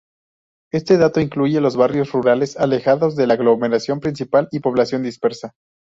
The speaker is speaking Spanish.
Este dato incluye los barrios rurales alejados de la aglomeración principal y población dispersa.